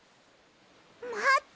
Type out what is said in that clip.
まって！